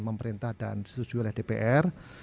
memerintah dan disetujui oleh dpr